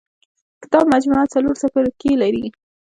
کتاب مجموعه څلور څپرکي لري.